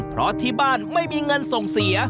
เพราะที่บ้านไม่มีเงินส่งเสีย